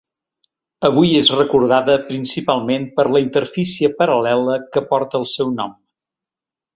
Avui és recordada principalment per la interfície paral·lela que porta el seu nom.